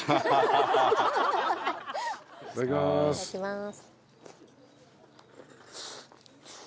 いただきます。